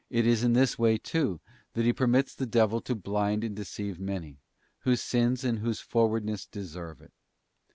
is in this way, too, that He permits the devil to blind and deceive many, whose sins and whose frowardness deserve it.